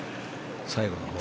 最後の。